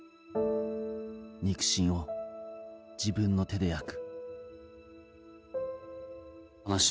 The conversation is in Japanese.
肉親を自分の手で焼く。